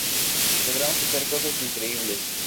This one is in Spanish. Logramos hacer cosas increíbles".